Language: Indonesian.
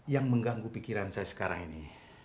yang mengganggu pikiran saya sekarang ini